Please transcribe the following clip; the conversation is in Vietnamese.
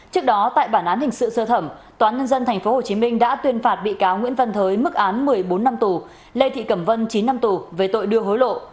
trước đó tại bản án hình sự sơ thẩm tnthhcm đã tuyên phạt bị cáo nguyễn văn thới mức án một mươi bốn năm tù lê thị cẩm vân chín năm tù về tội đưa hối lộ